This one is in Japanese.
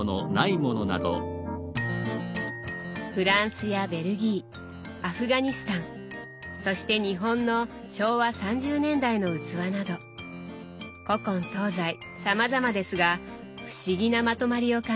フランスやベルギーアフガニスタンそして日本の昭和３０年代の器など古今東西さまざまですが不思議なまとまりを感じます。